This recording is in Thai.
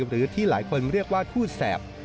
หรือที่หลายคนเรียกว่าทูตแสบ